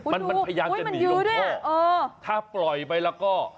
มันพยายามจะหนีลงพอถ้าปล่อยไปล่ะก็